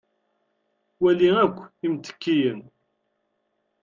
wali akk imttekkiyen.